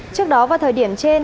trước đó vào thời điểm trên